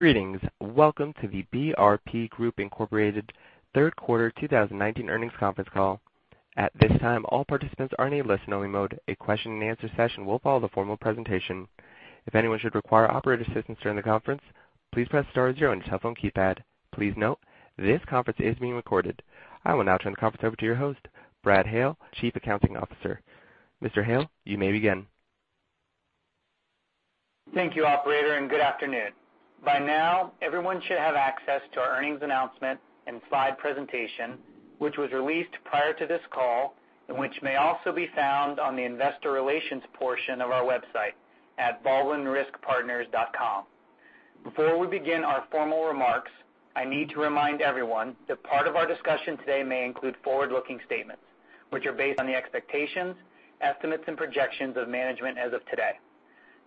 Greetings. Welcome to the BRP Group, Inc. third quarter 2019 earnings conference call. At this time, all participants are in a listen-only mode. A question-and-answer session will follow the formal presentation. If anyone should require operator assistance during the conference, please press star zero on your telephone keypad. Please note, this conference is being recorded. I will now turn the conference over to your host, Brad Hale, Chief Accounting Officer. Mr. Hale, you may begin. Thank you, operator. Good afternoon. By now, everyone should have access to our earnings announcement and slide presentation, which was released prior to this call and which may also be found on the investor relations portion of our website at baldwin.com. Before we begin our formal remarks, I need to remind everyone that part of our discussion today may include forward-looking statements, which are based on the expectations, estimates, and projections of management as of today.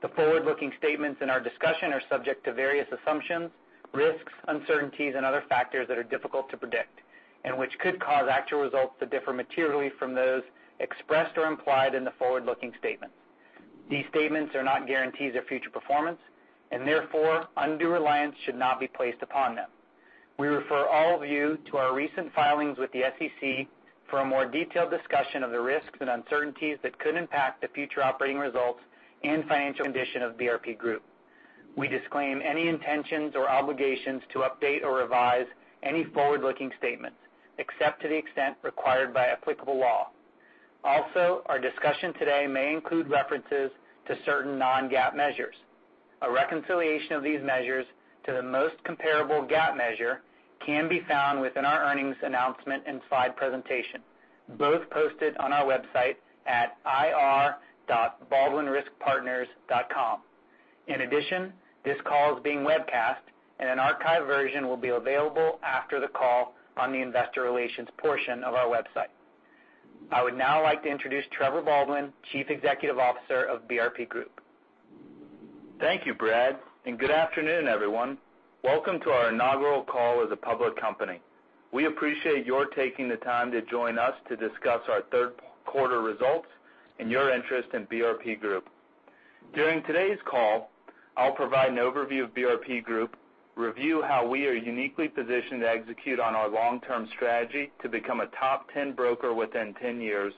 The forward-looking statements in our discussion are subject to various assumptions, risks, uncertainties, and other factors that are difficult to predict, which could cause actual results to differ materially from those expressed or implied in the forward-looking statements. These statements are not guarantees of future performance, therefore, undue reliance should not be placed upon them. We refer all of you to our recent filings with the SEC for a more detailed discussion of the risks and uncertainties that could impact the future operating results and financial condition of BRP Group. We disclaim any intentions or obligations to update or revise any forward-looking statements, except to the extent required by applicable law. Also, our discussion today may include references to certain non-GAAP measures. A reconciliation of these measures to the most comparable GAAP measure can be found within our earnings announcement and slide presentation, both posted on our website at investors.baldwin.com. In addition, this call is being webcast, and an archived version will be available after the call on the investor relations portion of our website. I would now like to introduce Trevor Baldwin, Chief Executive Officer of BRP Group. Thank you, Brad. Good afternoon, everyone. Welcome to our inaugural call as a public company. We appreciate your taking the time to join us to discuss our third quarter results and your interest in BRP Group. During today's call, I'll provide an overview of BRP Group, review how we are uniquely positioned to execute on our long-term strategy to become a top 10 broker within 10 years,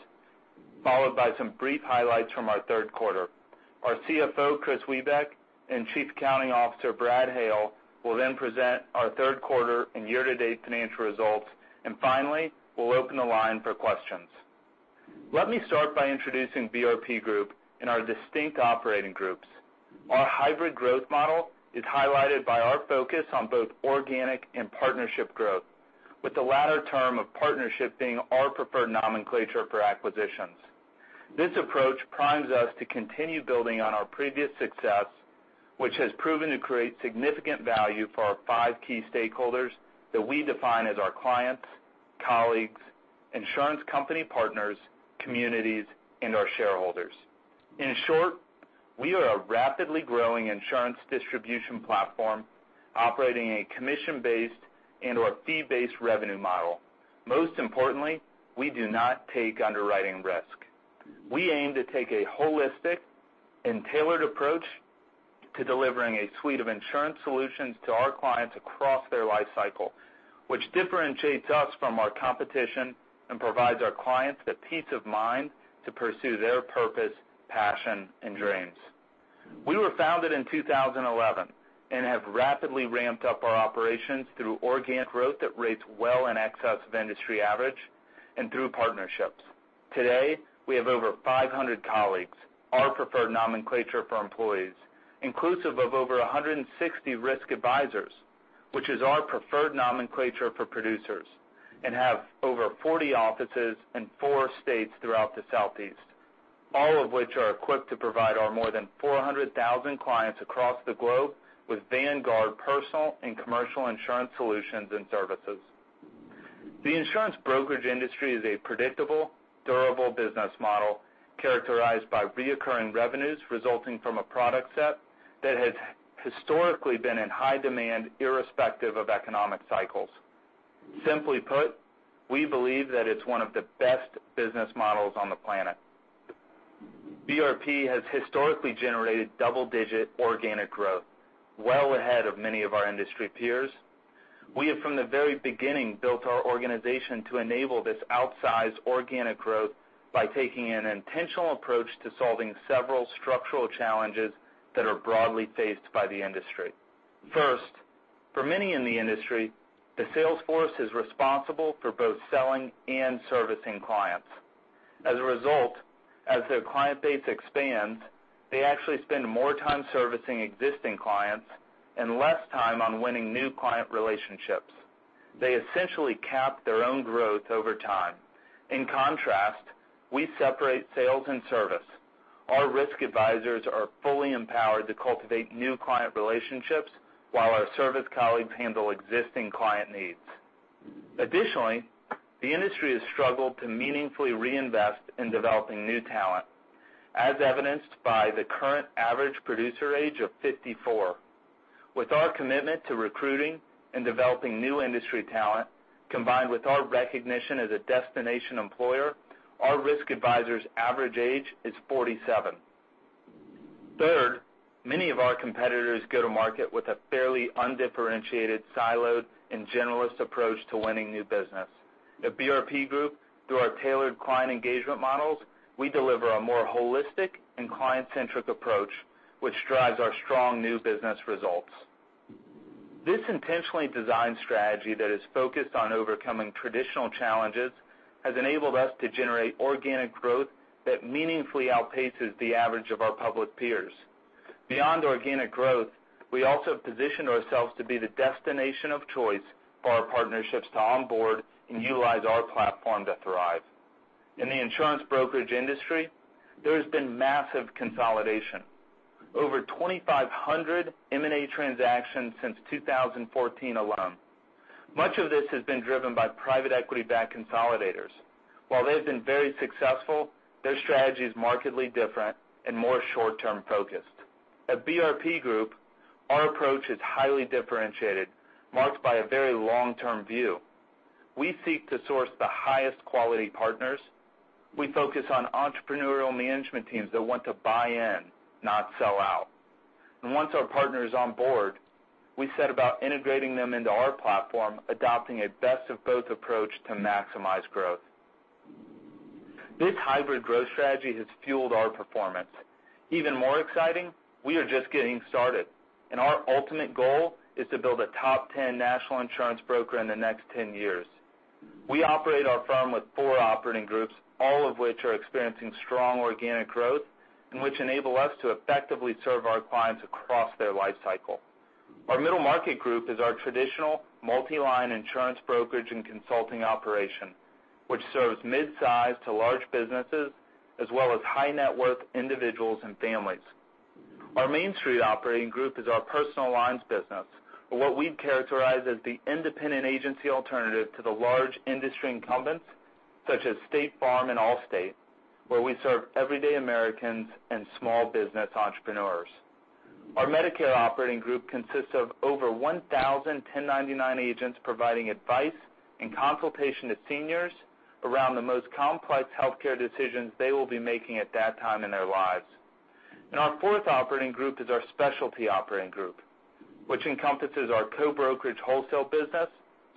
followed by some brief highlights from our third quarter. Our CFO, Kris Wiebeck, and Chief Accounting Officer, Brad Hale, will then present our third quarter and year-to-date financial results. Finally, we'll open the line for questions. Let me start by introducing BRP Group and our distinct operating groups. Our hybrid growth model is highlighted by our focus on both organic and partnership growth, with the latter term of partnership being our preferred nomenclature for acquisitions. This approach primes us to continue building on our previous success, which has proven to create significant value for our five key stakeholders that we define as our clients, colleagues, insurance company partners, communities, and our shareholders. In short, we are a rapidly growing insurance distribution platform operating a commission-based and/or fee-based revenue model. Most importantly, we do not take underwriting risk. We aim to take a holistic and tailored approach to delivering a suite of insurance solutions to our clients across their life cycle, which differentiates us from our competition and provides our clients the peace of mind to pursue their purpose, passion, and dreams. We were founded in 2011 and have rapidly ramped up our operations through organic growth that rates well in excess of industry average and through partnerships. Today, we have over 500 colleagues, our preferred nomenclature for employees, inclusive of over 160 risk advisors, which is our preferred nomenclature for producers, and have over 40 offices in four states throughout the Southeast, all of which are equipped to provide our more than 400,000 clients across the globe with vanguard personal and commercial insurance solutions and services. The insurance brokerage industry is a predictable, durable business model characterized by recurring revenues resulting from a product set that has historically been in high demand irrespective of economic cycles. Simply put, we believe that it's one of the best business models on the planet. BRP has historically generated double-digit organic growth, well ahead of many of our industry peers. We have, from the very beginning, built our organization to enable this outsized organic growth by taking an intentional approach to solving several structural challenges that are broadly faced by the industry. First, for many in the industry, the sales force is responsible for both selling and servicing clients. As a result, as their client base expands, they actually spend more time servicing existing clients and less time on winning new client relationships. They essentially cap their own growth over time. In contrast, we separate sales and service. Our risk advisors are fully empowered to cultivate new client relationships while our service colleagues handle existing client needs. Additionally, the industry has struggled to meaningfully reinvest in developing new talent, as evidenced by the current average producer age of 54. With our commitment to recruiting and developing new industry talent, combined with our recognition as a destination employer. Our risk advisors' average age is 47. Third, many of our competitors go to market with a fairly undifferentiated, siloed, and generalist approach to winning new business. At BRP Group, through our tailored client engagement models, we deliver a more holistic and client-centric approach, which drives our strong new business results. This intentionally designed strategy that is focused on overcoming traditional challenges has enabled us to generate organic growth that meaningfully outpaces the average of our public peers. Beyond organic growth, we also have positioned ourselves to be the destination of choice for our partnerships to onboard and utilize our platform to thrive. In the insurance brokerage industry, there has been massive consolidation. Over 2,500 M&A transactions since 2014 alone. Much of this has been driven by private equity-backed consolidators. While they've been very successful, their strategy is markedly different and more short-term focused. At BRP Group, our approach is highly differentiated, marked by a very long-term view. We seek to source the highest quality partners. We focus on entrepreneurial management teams that want to buy in, not sell out. Once our partner is on board, we set about integrating them into our platform, adopting a best of both approach to maximize growth. This hybrid growth strategy has fueled our performance. Even more exciting, we are just getting started, our ultimate goal is to build a top 10 national insurance broker in the next 10 years. We operate our firm with four operating groups, all of which are experiencing strong organic growth and which enable us to effectively serve our clients across their life cycle. Our middle market group is our traditional multi-line insurance brokerage and consulting operation, which serves midsize to large businesses, as well as high-net-worth individuals and families. Our main street operating group is our personal lines business, or what we'd characterize as the independent agency alternative to the large industry incumbents, such as State Farm and Allstate, where we serve everyday Americans and small business entrepreneurs. Our Medicare operating group consists of over 1,000 1099 agents providing advice and consultation to seniors around the most complex healthcare decisions they will be making at that time in their lives. Our fourth operating group is our specialty operating group, which encompasses our co-brokerage wholesale business,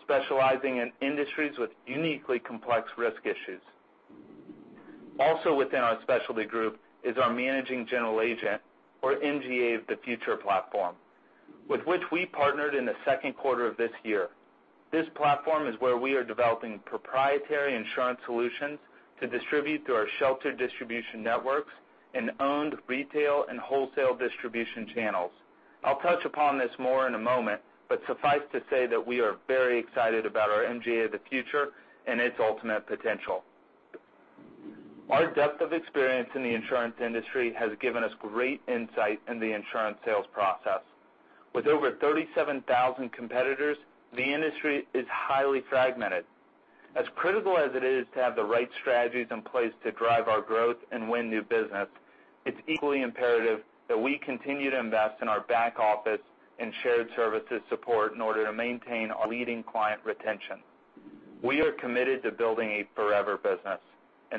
specializing in industries with uniquely complex risk issues. Also within our specialty group is our managing general agent, or MGA of the Future platform, with which we partnered in the second quarter of this year. This platform is where we are developing proprietary insurance solutions to distribute through our sheltered distribution networks and owned retail and wholesale distribution channels. I'll touch upon this more in a moment, but suffice to say that we are very excited about our MGA of the Future and its ultimate potential. Our depth of experience in the insurance industry has given us great insight in the insurance sales process. With over 37,000 competitors, the industry is highly fragmented. As critical as it is to have the right strategies in place to drive our growth and win new business, it's equally imperative that we continue to invest in our back office and shared services support in order to maintain our leading client retention. We are committed to building a forever business,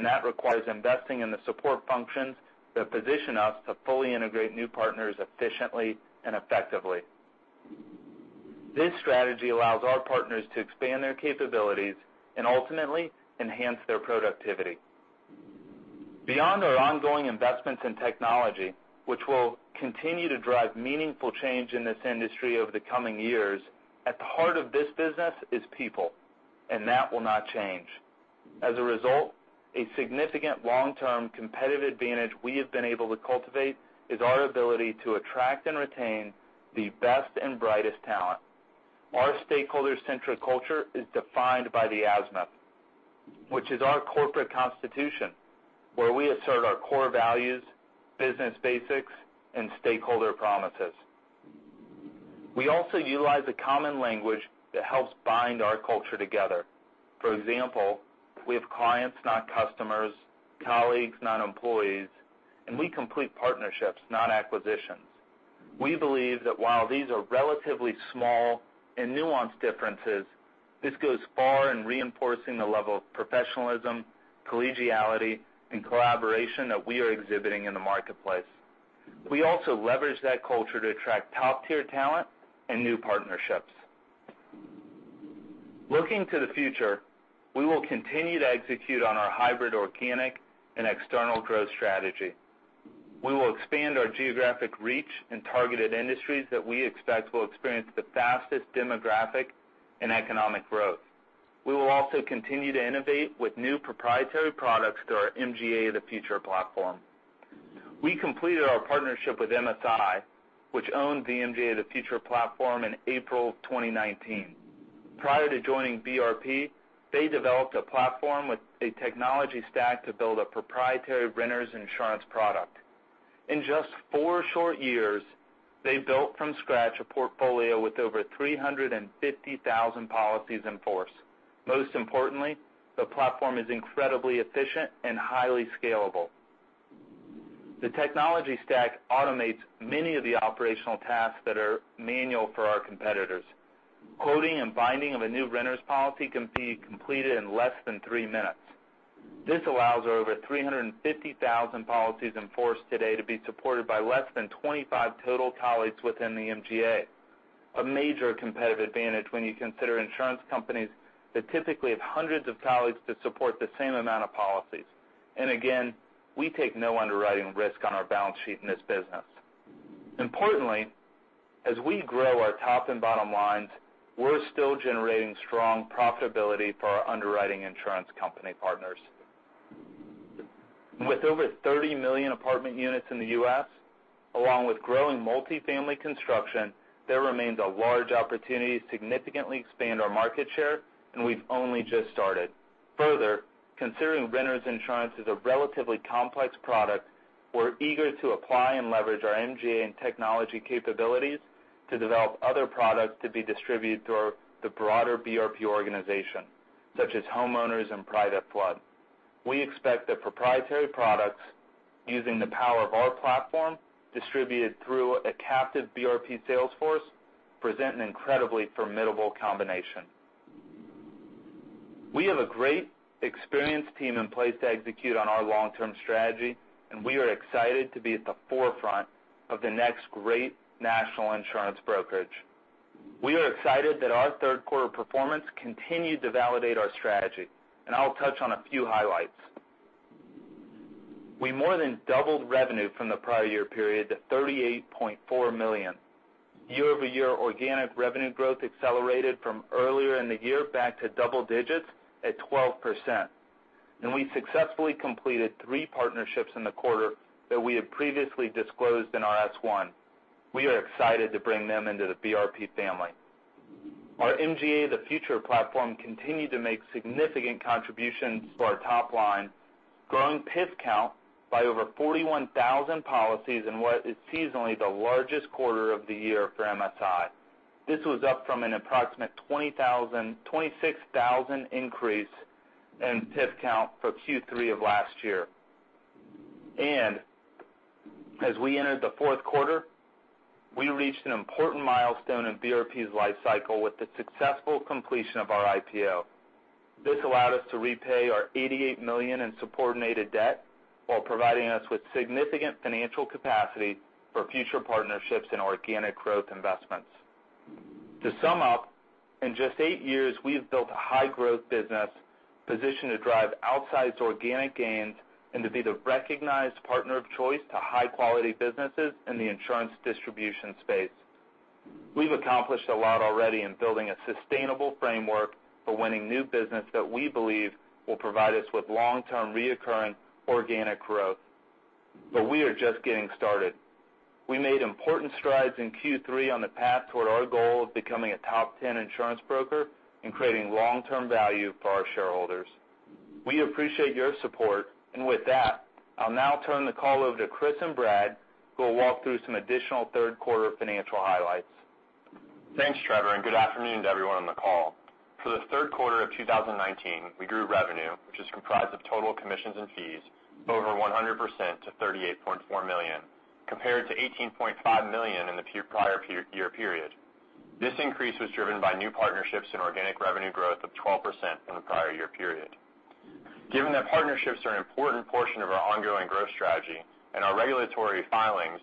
that requires investing in the support functions that position us to fully integrate new partners efficiently and effectively. This strategy allows our partners to expand their capabilities, ultimately, enhance their productivity. Beyond our ongoing investments in technology, which will continue to drive meaningful change in this industry over the coming years, at the heart of this business is people, that will not change. As a result, a significant long-term competitive advantage we have been able to cultivate is our ability to attract and retain the best and brightest talent. Our stakeholder-centric culture is defined by the ASMA, which is our corporate constitution, where we assert our core values, business basics, and stakeholder promises. We also utilize a common language that helps bind our culture together. For example, we have clients, not customers, colleagues, not employees, we complete partnerships, not acquisitions. We believe that while these are relatively small and nuanced differences, this goes far in reinforcing the level of professionalism, collegiality, and collaboration that we are exhibiting in the marketplace. We also leverage that culture to attract top-tier talent and new partnerships. Looking to the future, we will continue to execute on our hybrid organic and external growth strategy. We will expand our geographic reach in targeted industries that we expect will experience the fastest demographic and economic growth. We will also continue to innovate with new proprietary products through our MGA of the Future platform. We completed our partnership with MSI, which owned the MGA of the Future platform, in April 2019. Prior to joining BRP, they developed a platform with a technology stack to build a proprietary renters insurance product. In just four short years, they've built from scratch a portfolio with over 350,000 policies in force. Most importantly, the platform is incredibly efficient and highly scalable. The technology stack automates many of the operational tasks that are manual for our competitors. Quoting and binding of a new renters policy can be completed in less than three minutes. This allows our over 350,000 policies in force today to be supported by less than 25 total colleagues within the MGA. A major competitive advantage when you consider insurance companies that typically have hundreds of colleagues to support the same amount of policies. Again, we take no underwriting risk on our balance sheet in this business. Importantly, as we grow our top and bottom lines, we're still generating strong profitability for our underwriting insurance company partners. With over 30 million apartment units in the U.S., along with growing multi-family construction, there remains a large opportunity to significantly expand our market share, and we've only just started. Further, considering renters insurance is a relatively complex product, we're eager to apply and leverage our MGA and technology capabilities to develop other products to be distributed through our broader BRP organization, such as homeowners and private flood. We expect that proprietary products using the power of our platform distributed through a captive BRP sales force present an incredibly formidable combination. We have a great, experienced team in place to execute on our long-term strategy, and we are excited to be at the forefront of the next great national insurance brokerage. We are excited that our third quarter performance continued to validate our strategy. I'll touch on a few highlights. We more than doubled revenue from the prior year period to $38.4 million. Year-over-year organic revenue growth accelerated from earlier in the year back to double digits at 12%. We successfully completed three partnerships in the quarter that we had previously disclosed in our S1. We are excited to bring them into the BRP family. Our MGA of the Future platform continued to make significant contributions to our top line, growing PIF count by over 41,000 policies in what is seasonally the largest quarter of the year for MSI. This was up from an approximate 26,000 increase in PIF count for Q3 of last year. As we entered the fourth quarter, we reached an important milestone in BRP's life cycle with the successful completion of our IPO. This allowed us to repay our $88.4 million in subordinated debt while providing us with significant financial capacity for future partnerships and organic growth investments. To sum up, in just eight years, we have built a high growth business positioned to drive outsized organic gains and to be the recognized partner of choice to high quality businesses in the insurance distribution space. We've accomplished a lot already in building a sustainable framework for winning new business that we believe will provide us with long-term reoccurring organic growth. We are just getting started. We made important strides in Q3 on the path toward our goal of becoming a top 10 insurance broker and creating long-term value for our shareholders. We appreciate your support. With that, I'll now turn the call over to Kris and Brad, who will walk through some additional third quarter financial highlights. Thanks, Trevor. Good afternoon to everyone on the call. For the third quarter of 2019, we grew revenue, which is comprised of total commissions and fees, over 100% to $38.4 million, compared to $18.5 million in the prior year period. This increase was driven by new partnerships and organic revenue growth of 12% from the prior year period. Given that partnerships are an important portion of our ongoing growth strategy and our regulatory filings,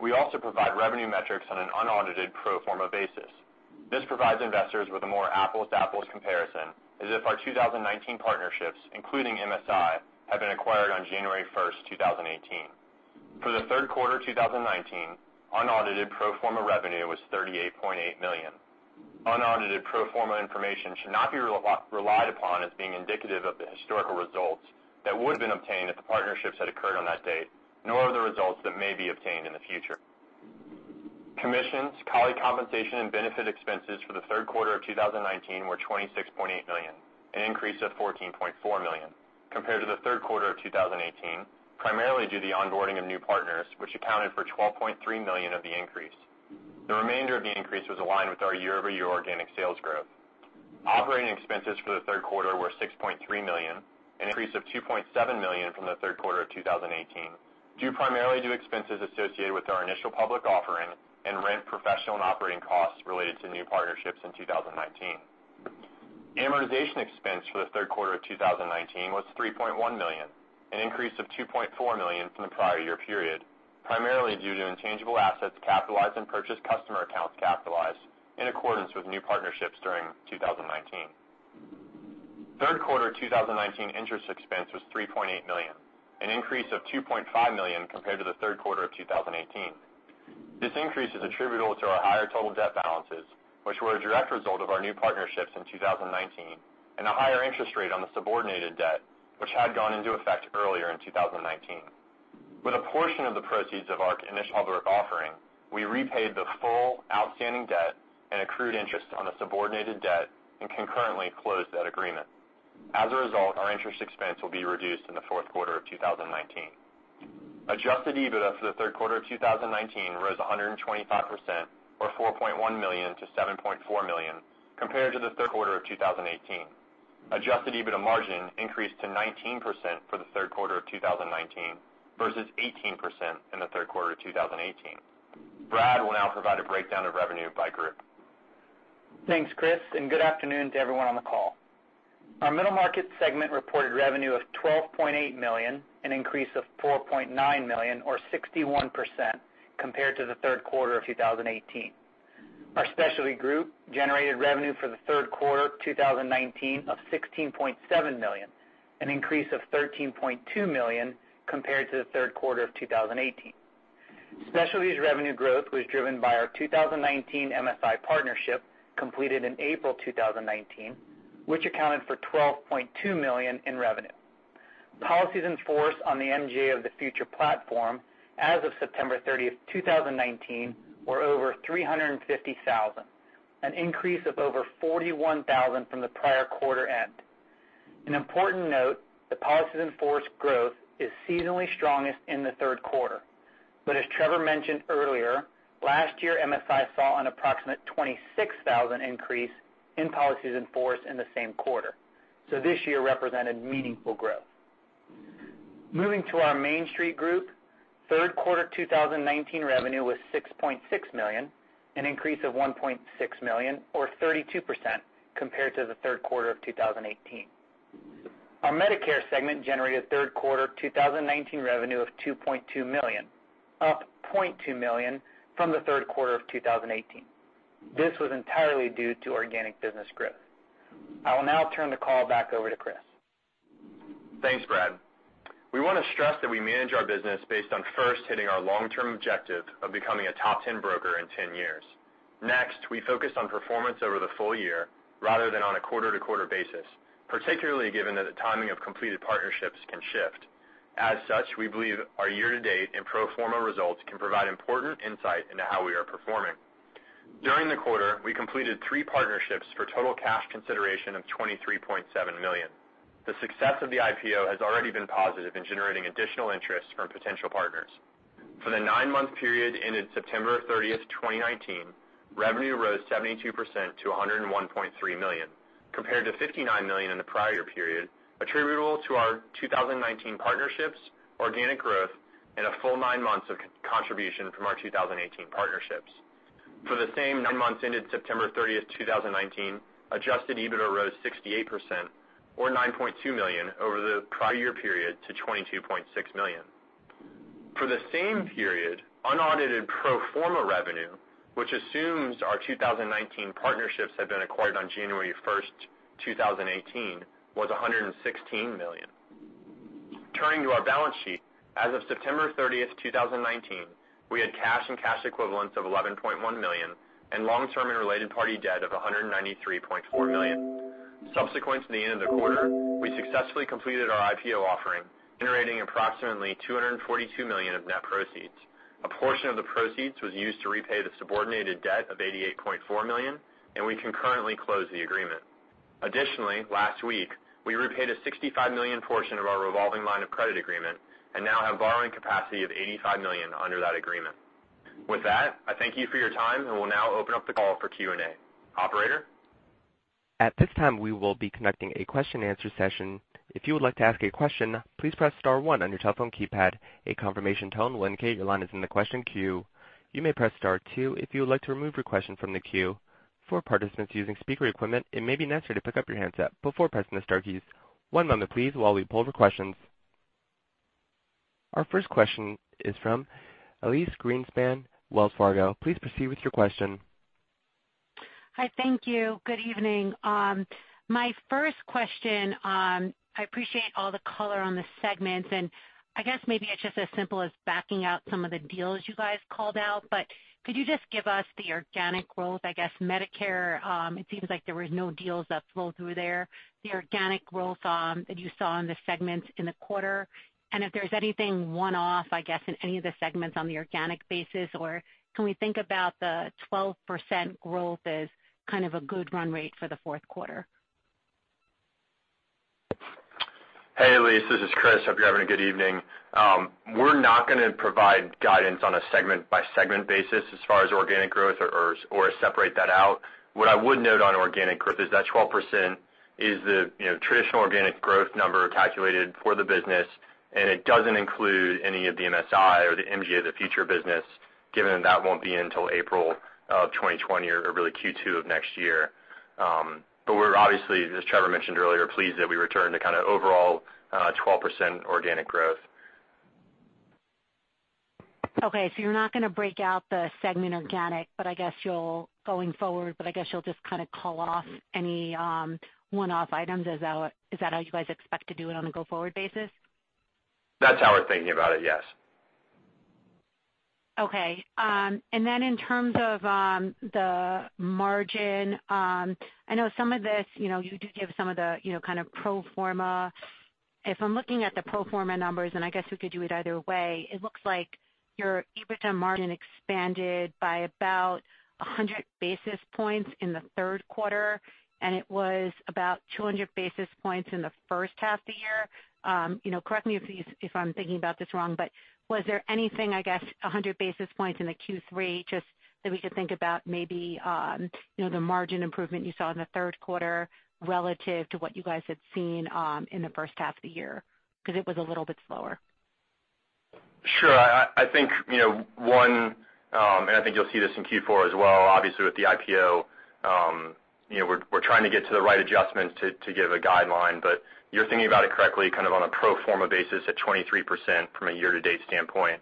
we also provide revenue metrics on an unaudited pro forma basis. This provides investors with a more apples to apples comparison, as if our 2019 partnerships, including MSI, had been acquired on January 1st, 2018. For the third quarter 2019, unaudited pro forma revenue was $38.8 million. Unaudited pro forma information should not be relied upon as being indicative of the historical results that would've been obtained if the partnerships had occurred on that date, nor of the results that may be obtained in the future. Commissions, colleague compensation, and benefit expenses for the third quarter of 2019 were $26.8 million, an increase of $14.4 million compared to the third quarter of 2018, primarily due to the onboarding of new partners, which accounted for $12.3 million of the increase. The remainder of the increase was aligned with our year-over-year organic sales growth. Operating expenses for the third quarter were $6.3 million, an increase of $2.7 million from the third quarter of 2018 due primarily to expenses associated with our initial public offering and rent professional and operating costs related to new partnerships in 2019. Amortization expense for the third quarter of 2019 was $3.1 million, an increase of $2.4 million from the prior year period, primarily due to intangible assets capitalized and purchase customer accounts capitalized in accordance with new partnerships during 2019. Third quarter 2019 interest expense was $3.8 million, an increase of $2.5 million compared to the third quarter of 2018. This increase is attributable to our higher total debt balances, which were a direct result of our new partnerships in 2019 and a higher interest rate on the subordinated debt, which had gone into effect earlier in 2019. With a portion of the proceeds of our initial public offering, we repaid the full outstanding debt and accrued interest on the subordinated debt and concurrently closed that agreement. As a result, our interest expense will be reduced in the fourth quarter of 2019. Adjusted EBITDA for the third quarter of 2019 rose 125%, or $4.1 million-$7.4 million, compared to the third quarter of 2018. Adjusted EBITDA margin increased to 19% for the third quarter of 2019 versus 18% in the third quarter of 2018. Brad will now provide a breakdown of revenue by group. Thanks, Kris, good afternoon to everyone on the call. Our middle market segment reported revenue of $12.8 million, an increase of $4.9 million or 61% compared to the third quarter of 2018. Our specialty group generated revenue for the third quarter 2019 of $16.7 million, an increase of $13.2 million compared to the third quarter of 2018. Specialties revenue growth was driven by our 2019 MSI partnership completed in April 2019, which accounted for $12.2 million in revenue. Policies in force on the MGA of the Future platform as of September 30th, 2019, were over 350,000, an increase of over 41,000 from the prior quarter end. An important note, the policies in force growth is seasonally strongest in the third quarter. As Trevor mentioned earlier, last year, MSI saw an approximate 26,000 increase in policies in force in the same quarter. This year represented meaningful growth. Moving to our Main Street group, third quarter 2019 revenue was $6.6 million, an increase of $1.6 million or 32% compared to the third quarter of 2018. Our Medicare segment generated third quarter 2019 revenue of $2.2 million, up $0.2 million from the third quarter of 2018. This was entirely due to organic business growth. I will now turn the call back over to Kris. Thanks, Brad. We want to stress that we manage our business based on first hitting our long-term objective of becoming a top 10 broker in 10 years. Next, we focus on performance over the full year rather than on a quarter-to-quarter basis, particularly given that the timing of completed partnerships can shift. As such, we believe our year-to-date and pro forma results can provide important insight into how we are performing. During the quarter, we completed three partnerships for total cash consideration of $23.7 million. The success of the IPO has already been positive in generating additional interest from potential partners. For the nine-month period ended September 30th, 2019, revenue rose 72% to $101.3 million, compared to $59 million in the prior period, attributable to our 2019 partnerships, organic growth, and a full nine months of contribution from our 2018 partnerships. For the same nine months ended September 30th, 2019, adjusted EBITDA rose 68%, or $9.2 million over the prior year period to $22.6 million. For the same period, unaudited pro forma revenue, which assumes our 2019 partnerships had been acquired on January 1st, 2018, was $116 million. Turning to our balance sheet, as of September 30th, 2019, we had cash and cash equivalents of $11.1 million and long-term and related party debt of $193.4 million. Subsequent to the end of the quarter, we successfully completed our IPO offering, generating approximately $242 million of net proceeds. A portion of the proceeds was used to repay the subordinated debt of $88.4 million, and we concurrently closed the agreement. Additionally, last week, we repaid a $65 million portion of our revolving line of credit agreement and now have borrowing capacity of $85 million under that agreement. With that, I thank you for your time and will now open up the call for Q&A. Operator? At this time, we will be conducting a question and answer session. If you would like to ask a question, please press star one on your telephone keypad. A confirmation tone will indicate your line is in the question queue. You may press star two if you would like to remove your question from the queue. For participants using speaker equipment, it may be necessary to pick up your handset before pressing the star keys. One moment, please, while we pull the questions. Our first question is from Elyse Greenspan, Wells Fargo. Please proceed with your question. Hi. Thank you. Good evening. My first question, I appreciate all the color on the segments, and I guess maybe it's just as simple as backing out some of the deals you guys called out, but could you just give us the organic growth? I guess Medicare, it seems like there was no deals that flow through there. The organic growth that you saw in the segments in the quarter, and if there's anything one-off, I guess, in any of the segments on the organic basis, or can we think about the 12% growth as kind of a good run rate for the fourth quarter? Hey, Elyse. This is Kris. Hope you're having a good evening. We're not going to provide guidance on a segment-by-segment basis as far as organic growth or separate that out. What I would note on organic growth is that 12% is the traditional organic growth number calculated for the business, and it doesn't include any of the MSI or the MGA of the Future business, given that won't be until April of 2020 or really Q2 of next year. We're obviously, as Trevor mentioned earlier, pleased that we returned to kind of overall 12% organic growth. Okay, you're not going to break out the segment organic, but I guess you'll, going forward, but I guess you'll just kind of call off any one-off items. Is that how you guys expect to do it on a go-forward basis? That's how we're thinking about it, yes. Okay. Then in terms of the margin, I know some of this, you did give some of the kind of pro forma. If I'm looking at the pro forma numbers, and I guess we could do it either way, it looks like your EBITDA margin expanded by about 100 basis points in the third quarter, and it was about 200 basis points in the first half of the year. Correct me if I'm thinking about this wrong, but was there anything, I guess, 100 basis points in the Q3 just that we could think about maybe the margin improvement you saw in the third quarter relative to what you guys had seen in the first half of the year, because it was a little bit slower? Sure. I think one, and I think you'll see this in Q4 as well, obviously with the IPO, we're trying to get to the right adjustments to give a guideline. You're thinking about it correctly, kind of on a pro forma basis at 23% from a year-to-date standpoint.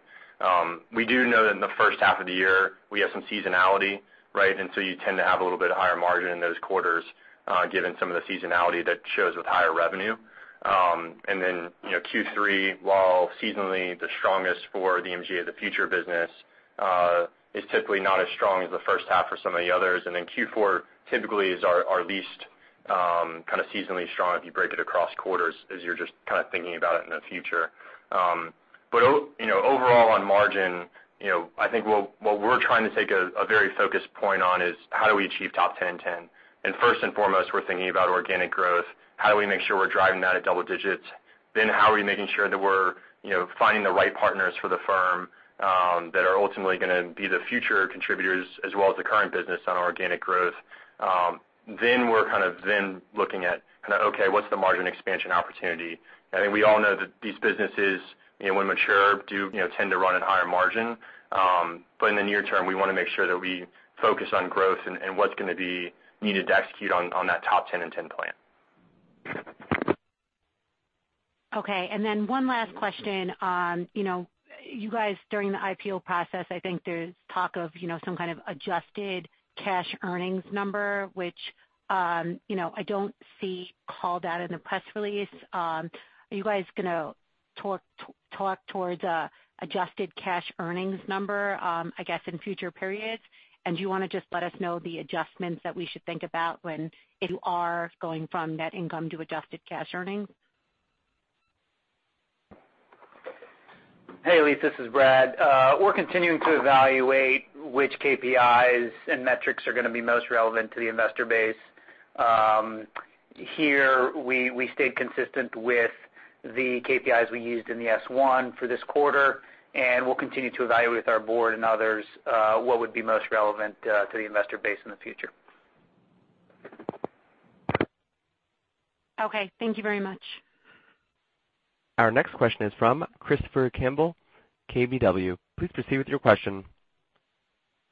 We do know that in the first half of the year, we have some seasonality, right? You tend to have a little bit higher margin in those quarters, given some of the seasonality that shows with higher revenue. Q3, while seasonally the strongest for the MGA of the Future business, is typically not as strong as the first half for some of the others. Q4 typically is our least kind of seasonally strong if you break it across quarters, as you're just kind of thinking about it in the future. Overall on margin, I think what we're trying to take a very focused point on is how do we achieve top 10 in 10? First and foremost, we're thinking about organic growth. How do we make sure we're driving that at double digits? How are we making sure that we're finding the right partners for the firm, that are ultimately going to be the future contributors as well as the current business on our organic growth? We're kind of then looking at kind of, okay, what's the margin expansion opportunity? I think we all know that these businesses, when mature, do tend to run at higher margin. In the near term, we want to make sure that we focus on growth and what's going to be needed to execute on that top 10 in 10 plan. Okay. One last question. You guys, during the IPO process, I think there's talk of some kind of adjusted cash earnings number, which I don't see called out in the press release. Are you guys going to talk towards adjusted cash earnings number, I guess, in future periods? Do you want to just let us know the adjustments that we should think about when you are going from net income to adjusted cash earnings? Hey, Elyse, this is Brad. We're continuing to evaluate which KPIs and metrics are going to be most relevant to the investor base. Here, we stayed consistent with the KPIs we used in the S1 for this quarter, and we'll continue to evaluate with our board and others, what would be most relevant to the investor base in the future. Okay. Thank you very much. Our next question is from Christopher Kimball, KBW. Please proceed with your question.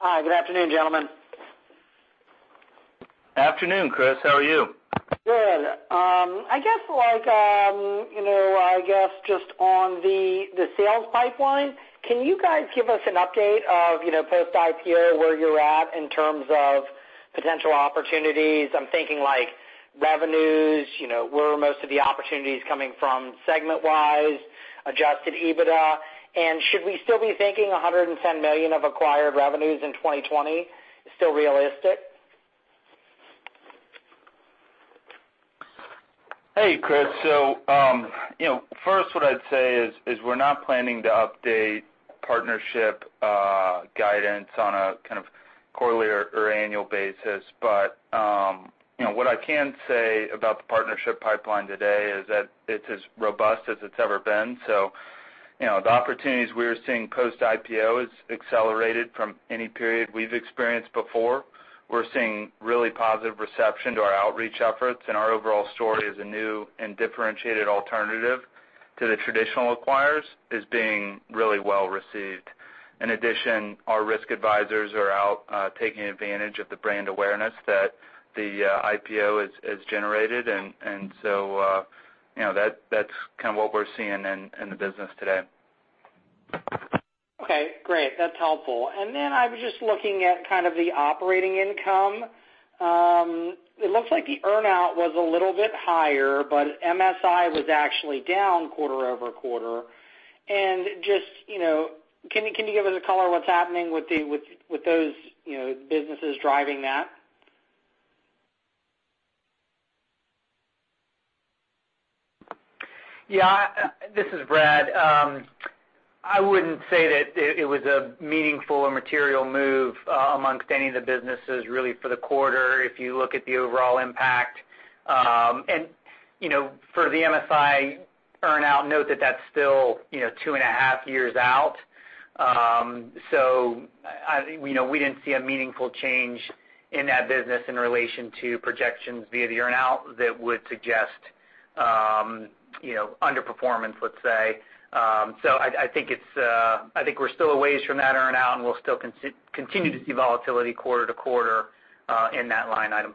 Hi. Good afternoon, gentlemen. Afternoon, Chris. How are you? Good. I guess just on the sales pipeline, can you guys give us an update of post-IPO where you're at in terms of potential opportunities? I'm thinking like revenues, where are most of the opportunities coming from segment-wise, adjusted EBITDA? Should we still be thinking $110 million of acquired revenues in 2020 is still realistic? Hey, Chris. First what I'd say is we're not planning to update partnership guidance on a kind of quarterly or annual basis. What I can say about the partnership pipeline today is that it's as robust as it's ever been. The opportunities we are seeing post-IPO is accelerated from any period we've experienced before. We're seeing really positive reception to our outreach efforts and our overall story as a new and differentiated alternative to the traditional acquirers is being really well received. In addition, our risk advisors are out taking advantage of the brand awareness that the IPO has generated, that's kind of what we're seeing in the business today. Okay, great. That's helpful. I was just looking at kind of the operating income. It looks like the earn-out was a little bit higher, MSI was actually down quarter-over-quarter. Can you give us a color what's happening with those businesses driving that? Yeah. This is Brad. I wouldn't say that it was a meaningful or material move amongst any of the businesses really for the quarter if you look at the overall impact. For the MSI earn-out, note that that's still two and a half years out. We didn't see a meaningful change in that business in relation to projections via the earn-out that would suggest underperformance, let's say. I think we're still a ways from that earn-out, and we'll still continue to see volatility quarter-to-quarter in that line item.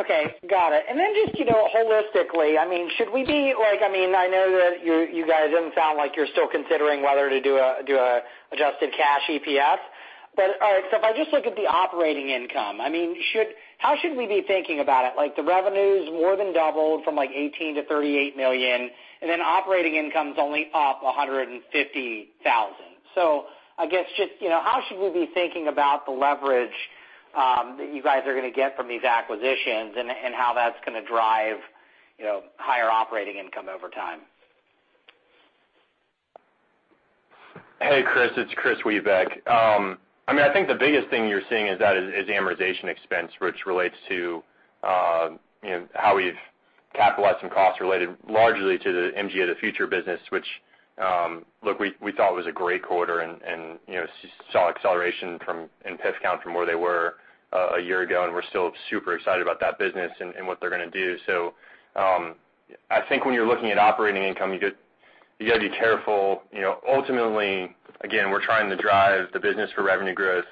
Okay. Got it. Just holistically, I know that you guys didn't sound like you're still considering whether to do an adjusted cash EPS. All right, if I just look at the operating income, how should we be thinking about it? The revenue's more than doubled from like $18 million-$38 million, operating income's only up $150,000. I guess just how should we be thinking about the leverage that you guys are going to get from these acquisitions and how that's going to drive higher operating income over time? Hey, Chris. It's Kristopher Wiebeck. I think the biggest thing you're seeing is that amortization expense, which relates to how we've capitalized some costs related largely to the MGA of the Future business, which, look, we thought was a great quarter and saw acceleration in PIF count from where they were a year ago, and we're still super excited about that business and what they're going to do. I think when you're looking at operating income, you got to be careful. Ultimately, again, we're trying to drive the business for revenue growth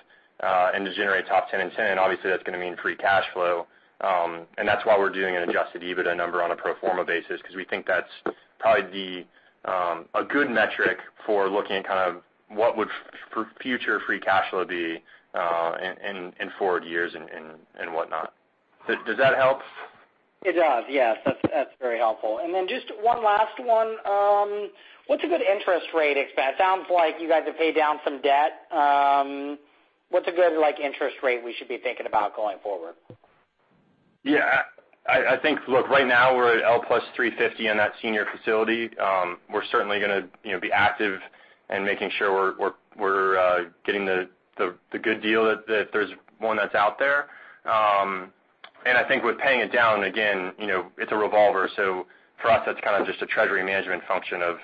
and to generate top 10 in 10. Obviously, that's going to mean free cash flow. That's why we're doing an adjusted EBITDA number on a pro forma basis, because we think that's probably a good metric for looking at kind of what would future free cash flow be in forward years and whatnot. Does that help? It does, yes. That's very helpful. Just one last one. What's a good interest rate? It sounds like you guys have paid down some debt. What's a good interest rate we should be thinking about going forward? Yeah. I think, look, right now we're at L+350 on that senior facility. We're certainly going to be active in making sure we're getting the good deal, that there's one that's out there. I think with paying it down, again, it's a revolver. For us, that's kind of just a treasury management function of,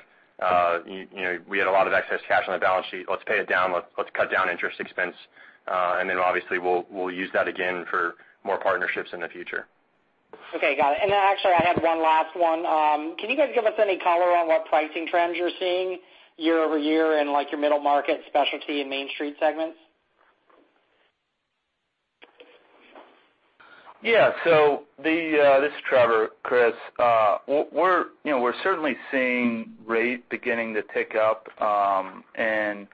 we had a lot of excess cash on the balance sheet, let's pay it down, let's cut down interest expense. Obviously, we'll use that again for more partnerships in the future. Okay, got it. Actually, I had one last one. Can you guys give us any color on what pricing trends you're seeing year-over-year in your middle market, specialty, and main street segments? Yeah. This is Trevor, Chris. We're certainly seeing rate beginning to tick up, and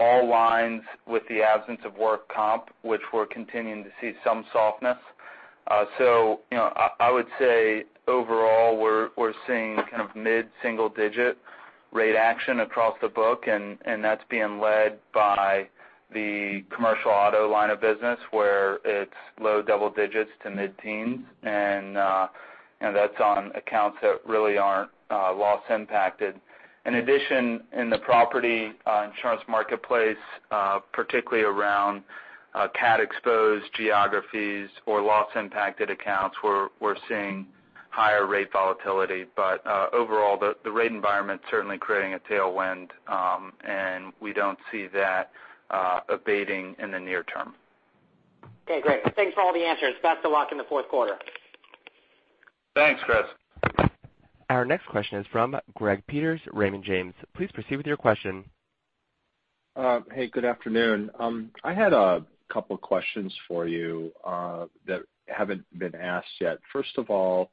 all lines with the absence of work comp, which we're continuing to see some softness. I would say overall, we're seeing kind of mid-single-digit rate action across the book, and that's being led by the commercial auto line of business, where it's low double-digits to mid-teens. That's on accounts that really aren't loss impacted. In addition, in the property insurance marketplace, particularly around cat exposed geographies or loss impacted accounts, we're seeing higher rate volatility. Overall, the rate environment's certainly creating a tailwind, and we don't see that abating in the near term. Okay, great. Thanks for all the answers. Best of luck in the fourth quarter. Thanks, Chris. Our next question is from Greg Peters, Raymond James. Please proceed with your question. Hey, good afternoon. I had a couple questions for you that haven't been asked yet. First of all,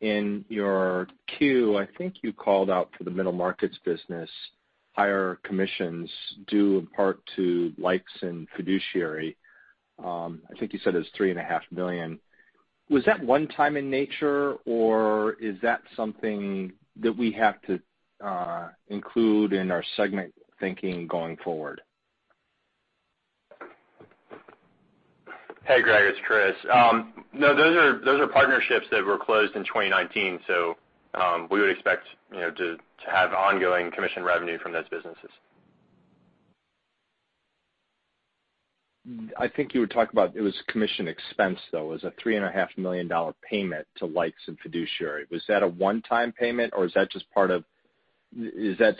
in your Q, I think you called out for the middle markets business, higher commissions due in part to Lykes and Fiduciary. I think you said it was $3.5 million. Was that one time in nature, or is that something that we have to include in our segment thinking going forward? Hey, Greg, it's Kris. No, those are partnerships that were closed in 2019, so we would expect to have ongoing commission revenue from those businesses. I think you would talk about, it was commission expense, though. It was a $3.5 million payment to Lykes and Fiduciary. Was that a one-time payment, or is that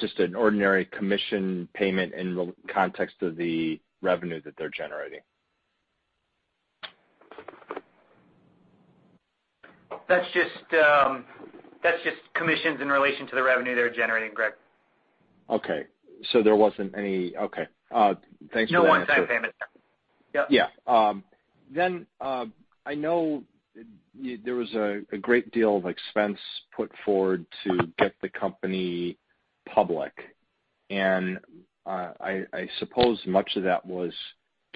just an ordinary commission payment in the context of the revenue that they're generating? That's just commissions in relation to the revenue they're generating, Greg. Okay. There wasn't any. Thanks for that. No one-time payment. Yep. Yeah. I know there was a great deal of expense put forward to get the company public, and I suppose much of that was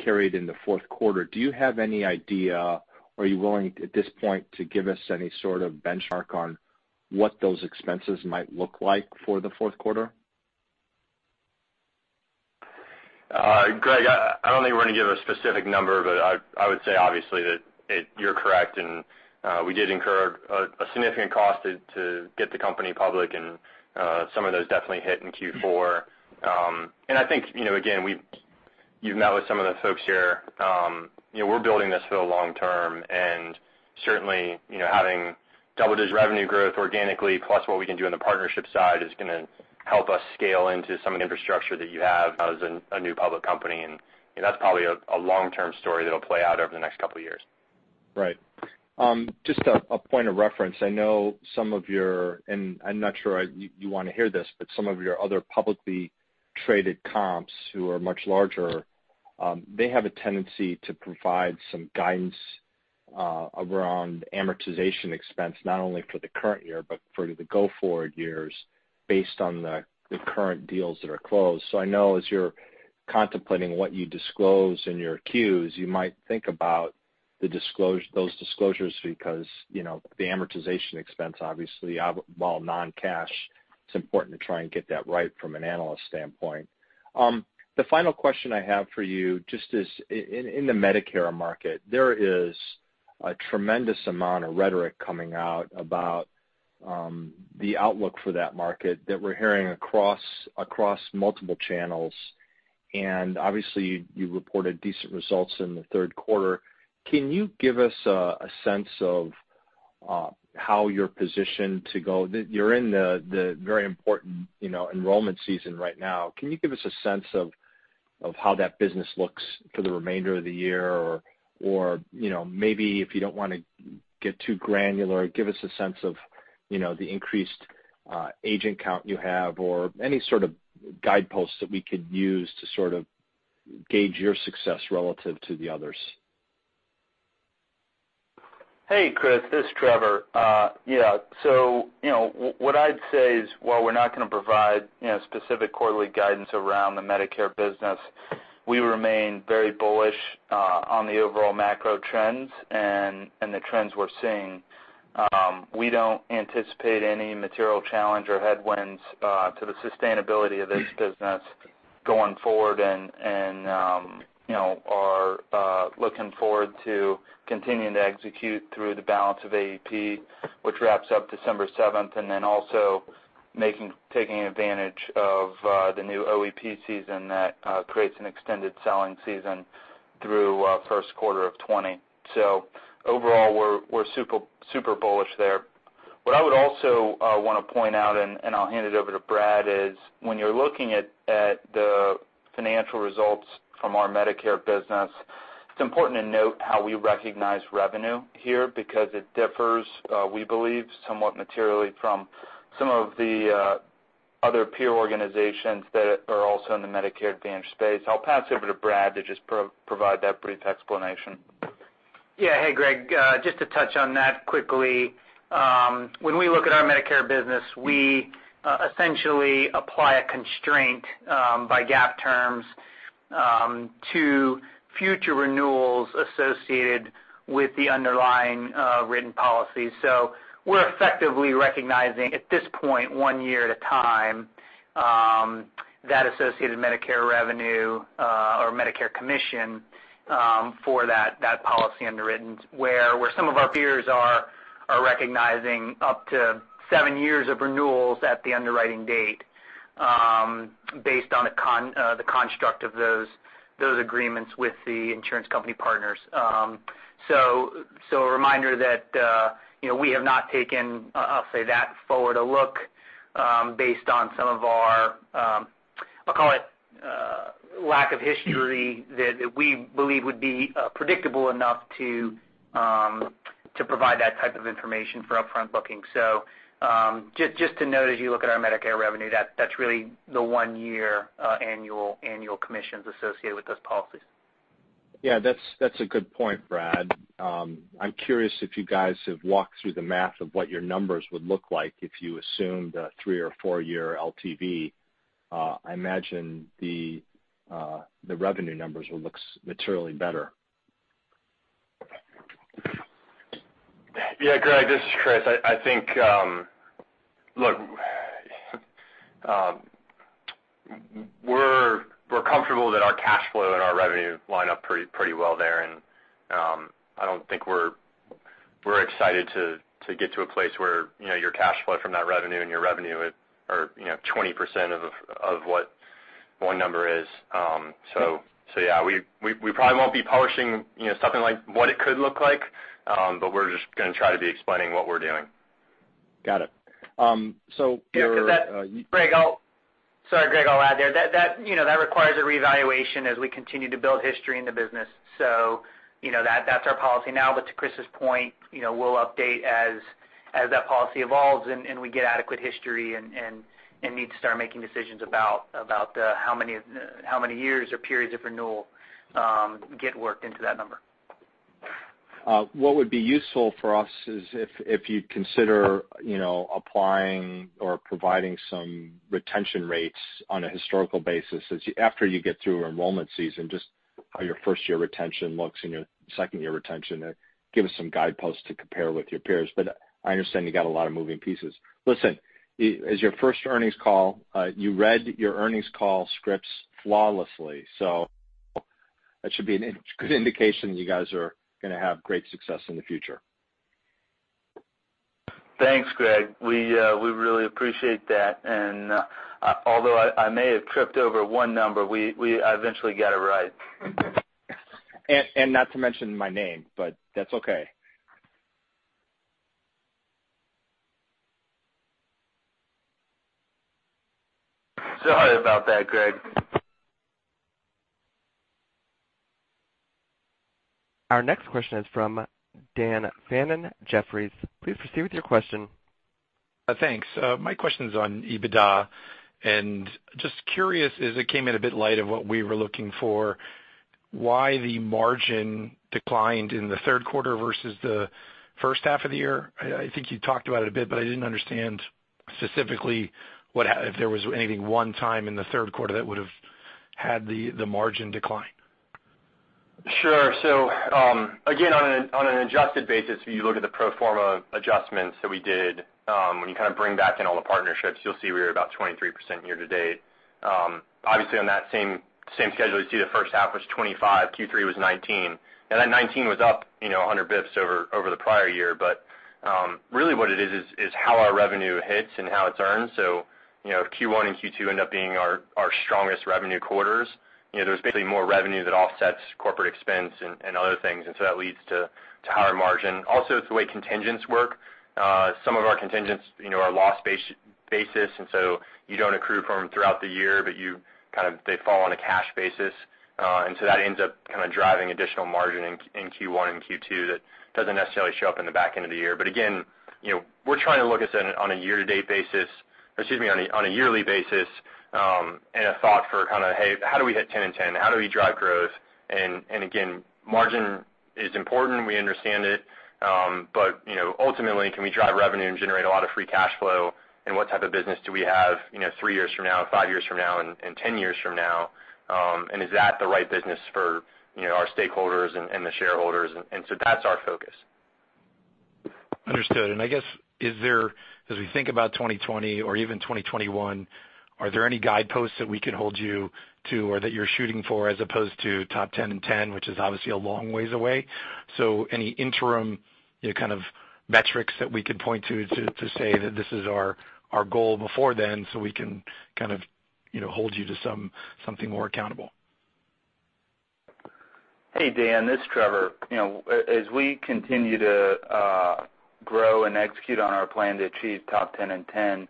carried in the fourth quarter. Do you have any idea, are you willing, at this point, to give us any sort of benchmark on what those expenses might look like for the fourth quarter? Greg, I don't think we're going to give a specific number, but I would say obviously that you're correct, and we did incur a significant cost to get the company public, and some of those definitely hit in Q4. I think, again, you've met with some of the folks here. We're building this for the long term, and certainly, having double-digit revenue growth organically, plus what we can do on the partnership side, is going to help us scale into some of the infrastructure that you have as a new public company, and that's probably a long-term story that'll play out over the next couple of years. Right. Just a point of reference, I know some of your, and I'm not sure you want to hear this, but some of your other publicly traded comps who are much larger, they have a tendency to provide some guidance around amortization expense, not only for the current year, but for the go forward years based on the current deals that are closed. I know as you're contemplating what you disclose in your Qs, you might think about those disclosures because the amortization expense, obviously, while non-cash, it's important to try and get that right from an analyst standpoint. The final question I have for you, just as in the Medicare market, there is a tremendous amount of rhetoric coming out about the outlook for that market that we're hearing across multiple channels, and obviously, you reported decent results in the third quarter. Can you give us a sense of how you're positioned? You're in the very important enrollment season right now. Can you give us a sense of how that business looks for the remainder of the year? Maybe if you don't want to get too granular. Give us a sense of the increased agent count you have or any sort of guideposts that we could use to gauge your success relative to the others. Hey, Greg, this is Trevor. What I'd say is, while we're not going to provide specific quarterly guidance around the Medicare business, we remain very bullish on the overall macro trends and the trends we're seeing. We don't anticipate any material challenge or headwinds to the sustainability of this business going forward, and are looking forward to continuing to execute through the balance of AEP, which wraps up December 7, and also taking advantage of the new OEP season that creates an extended selling season through first quarter of 2020. Overall, we're super bullish there. What I would also want to point out, and I'll hand it over to Brad, is when you're looking at the financial results from our Medicare business, it's important to note how we recognize revenue here because it differs, we believe, somewhat materially from some of the other peer organizations that are also in the Medicare Advantage space. I'll pass it over to Brad to just provide that brief explanation. Hey, Greg. Just to touch on that quickly. When we look at our Medicare business, we essentially apply a constraint by GAAP terms to future renewals associated with the underlying written policy. We're effectively recognizing, at this point, 1 year at a time, that associated Medicare revenue or Medicare commission for that policy underwritten, where some of our peers are recognizing up to 7 years of renewals at the underwriting date based on the construct of those agreements with the insurance company partners. A reminder that we have not taken, I'll say, that forward a look based on some of our, I'll call it lack of history that we believe would be predictable enough to provide that type of information for upfront looking. Just to note, as you look at our Medicare revenue, that's really the 1 year annual commissions associated with those policies. That's a good point, Brad. I'm curious if you guys have walked through the math of what your numbers would look like if you assumed a 3 or 4-year LTV. I imagine the revenue numbers would look materially better. Yeah, Greg, this is Kris. I think we're comfortable that our cash flow and our revenue line up pretty well there, and I don't think we're excited to get to a place where your cash flow from that revenue and your revenue are 20% of what one number is. Yeah, we probably won't be publishing something like what it could look like, but we're just going to try to be explaining what we're doing. Got it. Sorry, Greg, I'll add there. That requires a reevaluation as we continue to build history in the business. That's our policy now. To Kris's point, we'll update as that policy evolves and we get adequate history and need to start making decisions about how many years or periods of renewal get worked into that number. What would be useful for us is if you'd consider applying or providing some retention rates on a historical basis after you get through enrollment season, just how your first year retention looks and your second year retention. Give us some guideposts to compare with your peers. I understand you got a lot of moving pieces. Listen, as your first earnings call, you read your earnings call scripts flawlessly, that should be a good indication you guys are going to have great success in the future. Thanks, Greg. We really appreciate that. Although I may have tripped over one number, I eventually got it right. Not to mention my name, but that's okay. Sorry about that, Greg. Our next question is from Daniel Fannon, Jefferies. Please proceed with your question. Thanks. My question's on EBITDA. Just curious as it came in a bit light of what we were looking for, why the margin declined in the third quarter versus the first half of the year. I think you talked about it a bit, but I didn't understand specifically if there was anything one time in the third quarter that would've had the margin decline. Sure. Again, on an adjusted basis, when you look at the pro forma adjustments that we did, when you bring back in all the partnerships, you'll see we were about 23% year to date. Obviously, on that same schedule, you see the first half was 25%, Q3 was 19%. That 19% was up 100 basis points over the prior year. Really what it is how our revenue hits and how it's earned. Q1 and Q2 end up being our strongest revenue quarters. There's basically more revenue that offsets corporate expense and other things, that leads to higher margin. Also, it's the way contingents work. Some of our contingents are loss-basis, you don't accrue for them throughout the year, they fall on a cash basis. That ends up driving additional margin in Q1 and Q2 that doesn't necessarily show up in the back end of the year. Again, we're trying to look at on a year-to-date basis Excuse me, on a yearly basis, and a thought for kind of, hey, how do we hit 10 in 10? How do we drive growth? Again, margin is important. We understand it. Ultimately, can we drive revenue and generate a lot of free cash flow? What type of business do we have three years from now, five years from now, and 10 years from now? Is that the right business for our stakeholders and the shareholders? That's our focus. Understood. I guess, as we think about 2020 or even 2021, are there any guideposts that we could hold you to or that you're shooting for as opposed to top 10 in 10, which is obviously a long ways away? Any interim kind of metrics that we could point to say that this is our goal before then, so we can kind of hold you to something more accountable? Hey, Dan, this is Trevor. As we continue to grow and execute on our plan to achieve top 10 in 10,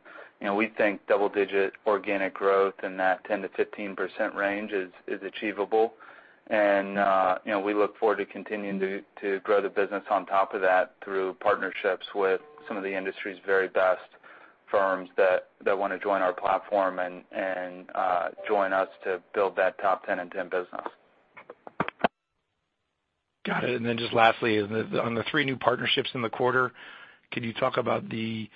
we think double-digit organic growth in that 10%-15% range is achievable. We look forward to continuing to grow the business on top of that through partnerships with some of the industry's very best firms that want to join our platform and join us to build that top 10 in 10 business. Got it. Just lastly, on the three new partnerships in the quarter, can you talk about the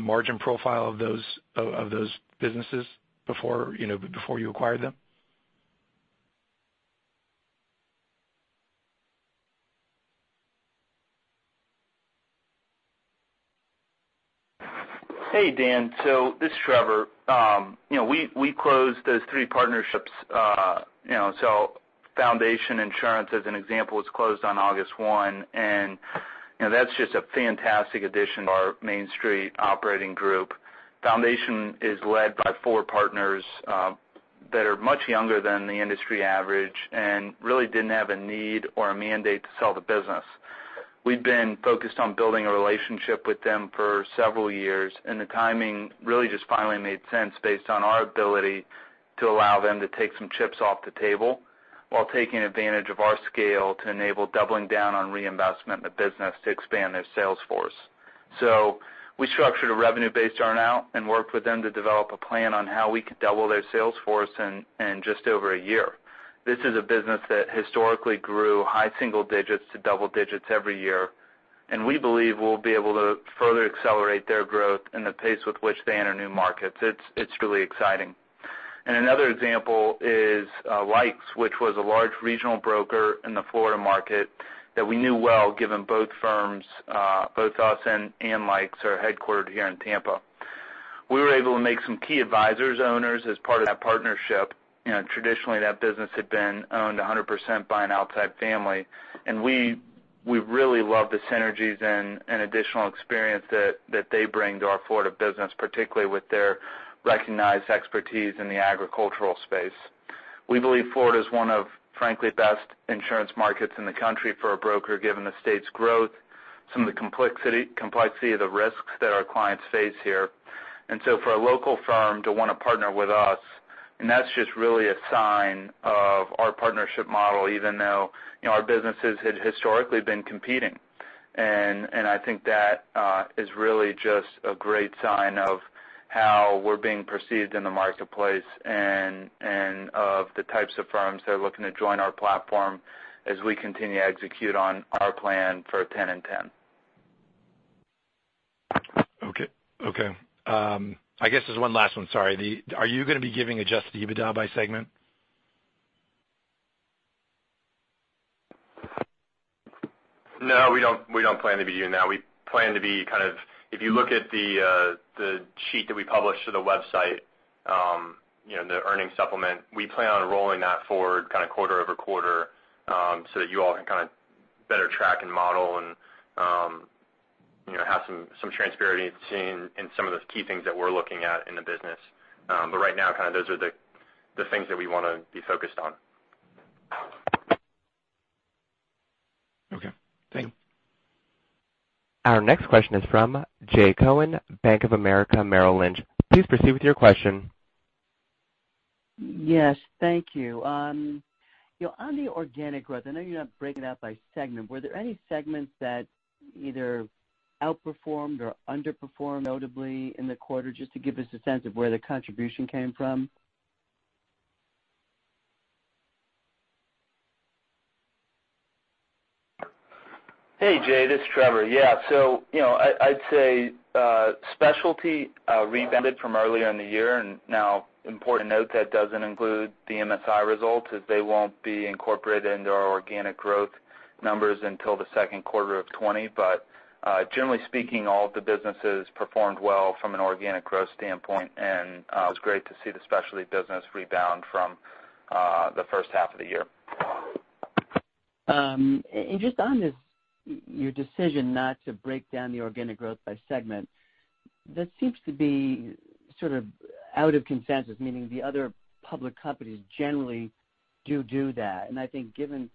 margin profile of those businesses before you acquired them? Hey, Dan. This is Trevor. We closed those three partnerships. Foundation Insurance, as an example, was closed on August 1, and that's just a fantastic addition to our Main Street operating group. Foundation is led by four partners that are much younger than the industry average and really didn't have a need or a mandate to sell the business. We'd been focused on building a relationship with them for several years, the timing really just finally made sense based on our ability to allow them to take some chips off the table while taking advantage of our scale to enable doubling down on reinvestment in the business to expand their sales force. We structured a revenue-based earn-out and worked with them to develop a plan on how we could double their sales force in just over a year. This is a business that historically grew high single digits to double digits every year, we believe we'll be able to further accelerate their growth and the pace with which they enter new markets. It's really exciting. Another example is Lykes, which was a large regional broker in the Florida market that we knew well, given both firms, both us and Lykes, are headquartered here in Tampa. We were able to make some key advisors owners as part of that partnership. Traditionally, that business had been owned 100% by an outside family, we really love the synergies and additional experience that they bring to our Florida business, particularly with their recognized expertise in the agricultural space. We believe Florida is one of, frankly, best insurance markets in the country for a broker, given the state's growth, some of the complexity of the risks that our clients face here. And so for a local firm to want to partner with us, and that's just really a sign of our partnership model, even though our businesses had historically been competing. And I think that is really just a great sign of how we're being perceived in the marketplace and of the types of firms that are looking to join our platform as we continue to execute on our plan for 10 in 10. Okay. I guess there's one last one, sorry. Are you going to be giving adjusted EBITDA by segment? No, we don't plan to be doing that. If you look at the sheet that we publish to the website, the earnings supplement, we plan on rolling that forward kind of quarter-over-quarter, so that you all can kind of better track and model and have some transparency in some of those key things that we're looking at in the business. Right now, kind of those are the things that we want to be focused on. Okay, thank you. Our next question is from Jay Cohen, Bank of America, Merrill Lynch. Please proceed with your question. Yes, thank you. On the organic growth, I know you're not breaking it out by segment. Were there any segments that either outperformed or underperformed notably in the quarter, just to give us a sense of where the contribution came from? Hey, Jay, this is Trevor. Yeah. I'd say specialty rebounded from earlier in the year. Now important to note, that doesn't include the MSI results, as they won't be incorporated into our organic growth numbers until the second quarter of 2020. Generally speaking, all of the businesses performed well from an organic growth standpoint, and it was great to see the specialty business rebound from the first half of the year. Just on this, your decision not to break down the organic growth by segment, that seems to be sort of out of consensus, meaning the other public companies generally do that. I think given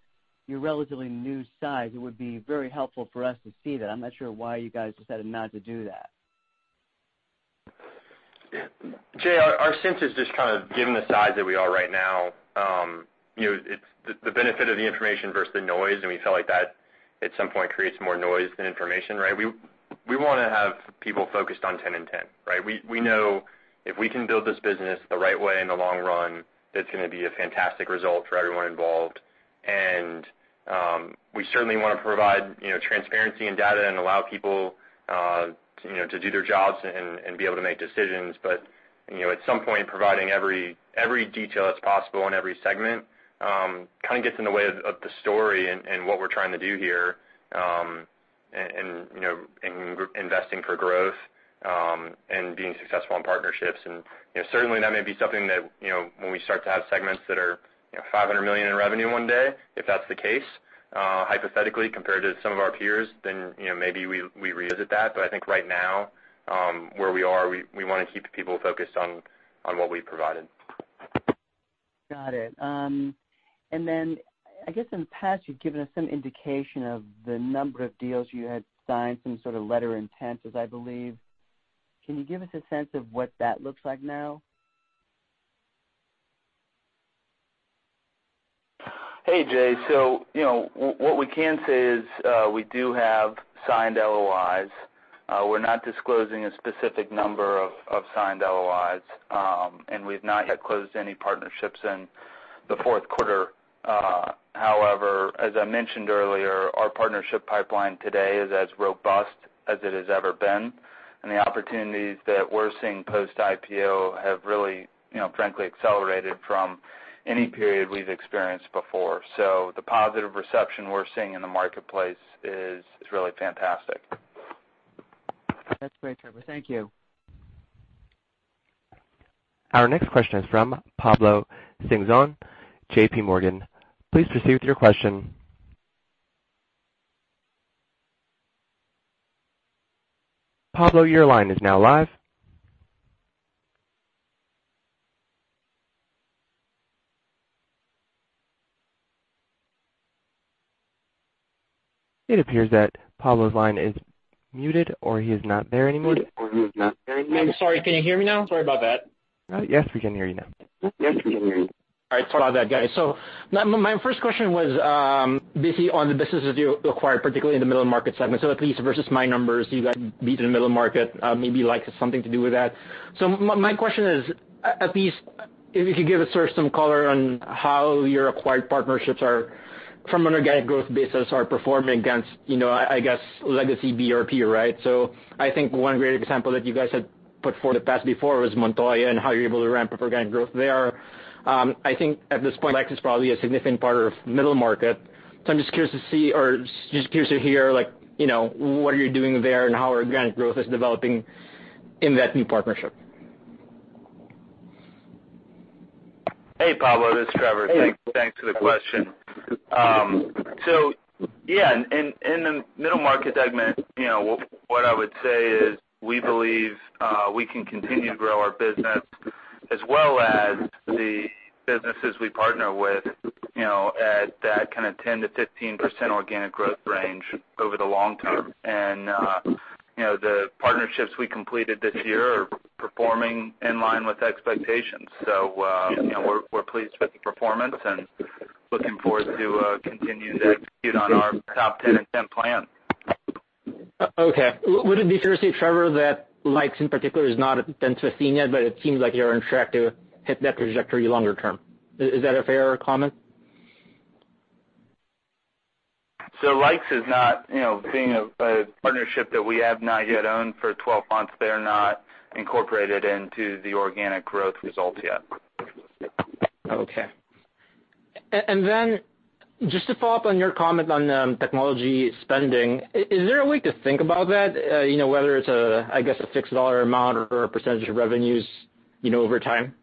your relatively new size, it would be very helpful for us to see that. I'm not sure why you guys decided not to do that. Jay, our sense is just kind of given the size that we are right now, the benefit of the information versus the noise, and we felt like that at some point creates more noise than information, right? We want to have people focused on 10 in 10, right? We know if we can build this business the right way in the long run, it's going to be a fantastic result for everyone involved. We certainly want to provide transparency in data and allow people to do their jobs and be able to make decisions. At some point, providing every detail that's possible in every segment, kind of gets in the way of the story and what we're trying to do here, and investing for growth, and being successful in partnerships. Certainly, that may be something that when we start to have segments that are $500 million in revenue one day, if that's the case, hypothetically, compared to some of our peers, then maybe we revisit that. I think right now, where we are, we want to keep people focused on what we've provided. Got it. Then, I guess in the past, you've given us some indication of the number of deals you had signed, some sort of letters of intent, as I believe. Can you give us a sense of what that looks like now? Hey, Jay. What we can say is, we do have signed LOIs. We're not disclosing a specific number of signed LOIs. We've not yet closed any partnerships in the fourth quarter. However, as I mentioned earlier, our partnership pipeline today is as robust as it has ever been, and the opportunities that we're seeing post-IPO have really frankly accelerated from any period we've experienced before. The positive reception we're seeing in the marketplace is really fantastic. That's great, Trevor. Thank you. Our next question is from Pablo Singzon, JP Morgan. Please proceed with your question. Pablo, your line is now live. It appears that Pablo's line is muted, or he is not there anymore. I'm sorry. Can you hear me now? Sorry about that. Yes, we can hear you now. All right. Sorry about that, guys. My first question was, busy on the businesses you acquired, particularly in the middle market segment. At least versus my numbers, you guys beat the middle market, maybe Lykes has something to do with that. My question is, at least if you could give us some color on how your acquired partnerships are, from an organic growth basis, are performing against, I guess legacy BRP, right? I think one great example that you guys had put forth in the past before was Montoya and how you're able to ramp up organic growth there. I think at this point, Lykes is probably a significant part of middle market. I'm just curious to see, or just curious to hear what are you doing there and how organic growth is developing in that new partnership. Hey, Pablo. This is Trevor. Hey. Thanks for the question. Yeah, in the middle market segment, what I would say is we believe we can continue to grow our business as well as the businesses we partner with, at that kind of 10%-15% organic growth range over the long term. The partnerships we completed this year are performing in line with expectations. We're pleased with the performance and looking forward to continuing to execute on our top 10 in 10 plan. Okay. Would it be fair to say, Trevor, that Lykes in particular has not been seen yet, but it seems like you're on track to hit that trajectory longer term. Is that a fair comment? Lykes is not, being a partnership that we have not yet owned for 12 months, they're not incorporated into the organic growth results yet. Okay. Just to follow up on your comment on technology spending, is there a way to think about that, whether it's a, I guess, a fixed dollar amount or a percentage of revenues over time?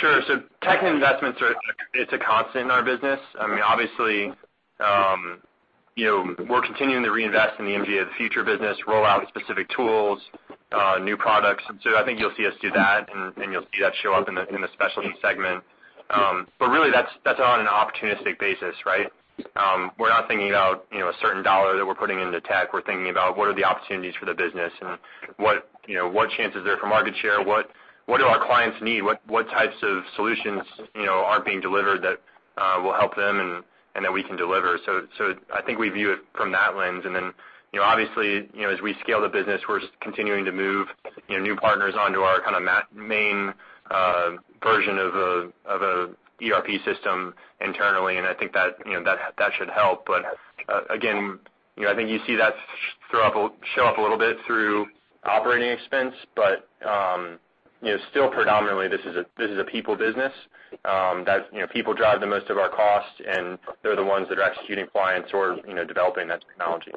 Sure. Tech investments are, it's a constant in our business. Obviously, we're continuing to reinvest in the MGA of the Future business, roll out specific tools, new products. I think you'll see us do that, and you'll see that show up in the specialty segment. Really, that's on an opportunistic basis, right? We're not thinking about a certain dollar that we're putting into tech. We're thinking about what are the opportunities for the business and what chance is there for market share? What do our clients need? What types of solutions aren't being delivered that will help them and that we can deliver? I think we view it from that lens. Obviously, as we scale the business, we're continuing to move new partners onto our main version of an ERP system internally, and I think that should help. Again, I think you see that show up a little bit through operating expense. Still predominantly this is a people business, that people drive the most of our costs and they're the ones that are executing clients or developing that technology.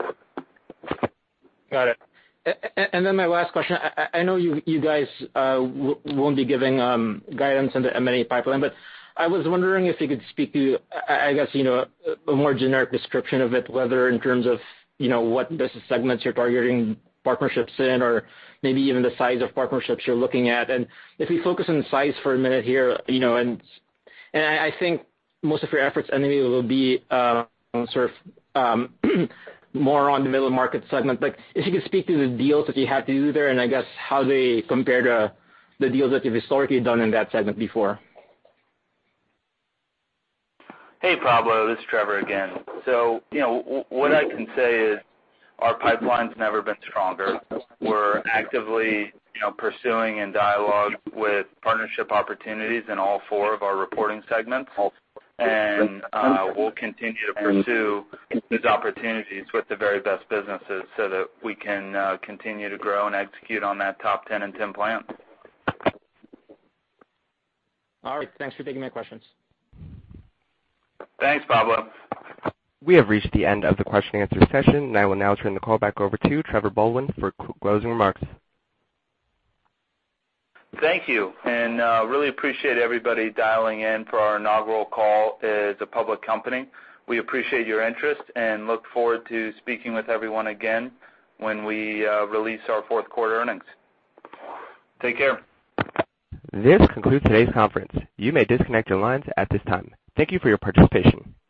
My last question, I know you guys won't be giving guidance on the M&A pipeline, but I was wondering if you could speak to, I guess, a more generic description of it, whether in terms of what business segments you're targeting partnerships in or maybe even the size of partnerships you're looking at. If we focus on size for a minute here, I think most of your efforts anyway will be sort of more on the middle market segment. If you could speak to the deals that you had to do there and I guess how they compare to the deals that you've historically done in that segment before. Hey, Pablo. This is Trevor again. What I can say is our pipeline's never been stronger. We're actively pursuing and dialogue with partnership opportunities in all four of our reporting segments. We'll continue to pursue those opportunities with the very best businesses so that we can continue to grow and execute on that top 10 in 10 plan. All right. Thanks for taking my questions. Thanks, Pablo. We have reached the end of the question and answer session. I will now turn the call back over to Trevor Baldwin for closing remarks. Thank you. Really appreciate everybody dialing in for our inaugural call as a public company. We appreciate your interest and look forward to speaking with everyone again when we release our fourth quarter earnings. Take care. This concludes today's conference. You may disconnect your lines at this time. Thank you for your participation.